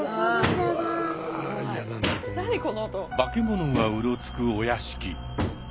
化け物がうろつくお屋敷。